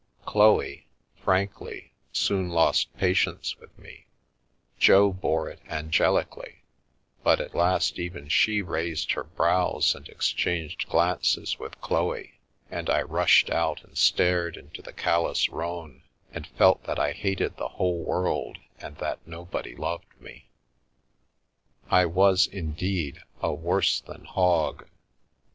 Chloe, frankly, soon lost patience with me, Jo bore it angelically, but at last even she raised her brows and ex changed glances with Chloe, and I rushed out and stared into the callous Rhone, and felt that I hated the whole world and that nobody loved me. I was, indeed, a worse than hog.